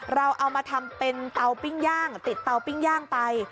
เราเอามาทำเป็นเตาปิ้งย่างติดเตาปิ้งย่างไป